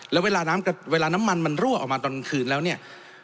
แล้วเวลาน้ำมันมันรั่วออกมาตอนคืนแล้วเนี่ย